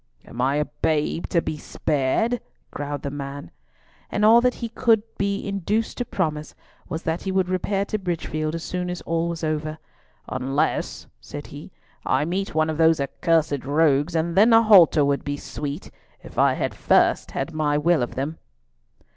"Am I a babe to be spared?" growled the man. And all that he could be induced to promise was that he would repair to Bridgefield as soon as all was over—"Unless," said he, "I meet one of those accursed rogues, and then a halter would be sweet, if I had first had my will of them."